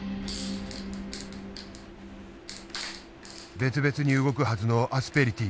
別々に動くはずのアスペリティー。